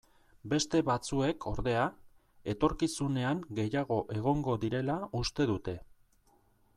Beste batzuek, ordea, etorkizunean gehiago egongo direla uste dute.